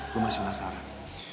gue masih penasaran